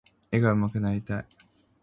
絵が上手くなりたい。